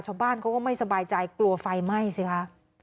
ชาวบ้านเขาก็ไม่สบายใจกลัวไฟไหม้สิคะ